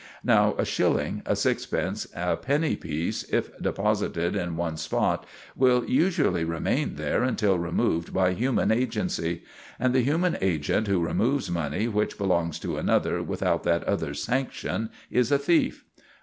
Now a shilling, a sixpence, a penny piece, if deposited in one spot, will usually remain there until removed by human agency. And the human agent who removes money which belongs to another without that other's sanction is a thief.